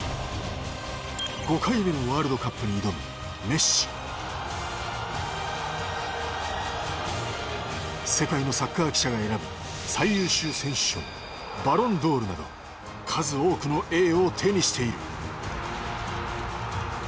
５回目のワールドカップに挑む世界のサッカー記者が選ぶ最優秀選手賞バロンドールなど数多くの栄誉を手にしている。